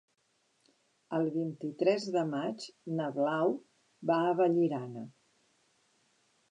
El vint-i-tres de maig na Blau va a Vallirana.